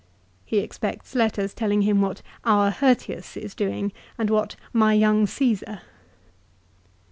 2 He expects letters telling him what " our Hirtius " is doing, and what " my young Caesar."